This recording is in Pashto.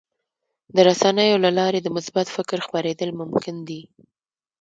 د رسنیو له لارې د مثبت فکر خپرېدل ممکن دي.